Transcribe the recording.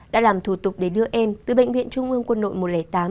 đã làm thủ tục để đưa em từ bệnh viện trung ương quân đội một trăm linh tám